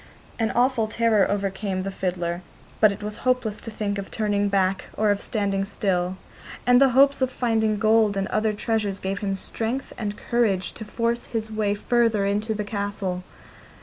An awful terror overcame the fiddler; but it was hopeless to think of turning back or of standing still, and the hopes of finding gold and other treasures gave him strength and courage to force his way further into the castle.